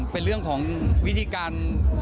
เป็นเรื่องของวิธีการ